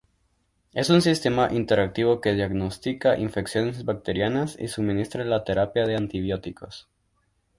Es un sistema interactivo que diagnostica infecciones bacterianas y suministra la terapia de antibióticos.